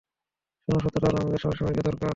শোনো, সত্যটা হলো আমাদের সবার সবাইকে দরকার।